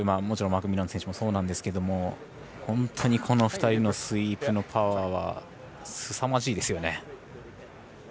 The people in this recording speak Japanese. もちろんマクミラン選手もそうなんですけど本当にこの２人のスイープのパワーはすさまじいですよね。